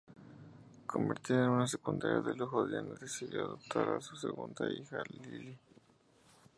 Convertida en una secundaria de lujo, Dianne decidió adoptar a su segunda hija, Lily.